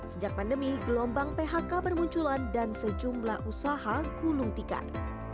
sejak pandemi gelombang phk bermunculan dan sejumlah usaha kulungtikan